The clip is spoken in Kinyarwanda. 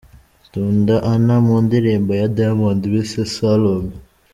Tunda Anna mu ndirimbo ya Diamond bise 'Salome'.